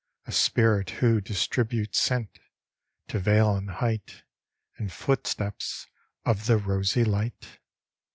A spirit who distributes scent, To vale and height, In footsteps of the rosy light?